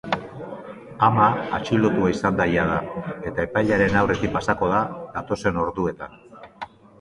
Ama atxilotua izan da jada eta epailearen aurretik pasako da datozen orduetan.